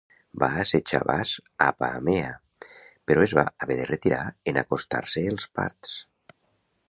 Va assetjar Bas a Apamea, però es va haver de retirar en acostar-se els parts.